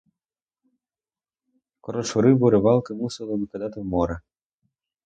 Коротшу рибу рибалки мусили викидати в море.